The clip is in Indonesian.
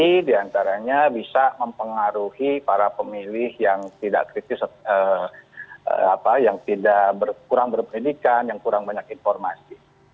jadi diantaranya bisa mempengaruhi para pemilih yang tidak kritis yang kurang berpendidikan yang kurang banyak informasi